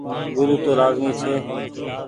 گورو تو لآزمي ڇي۔